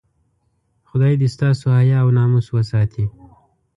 خدای دې ستاسو حیا او ناموس وساتي.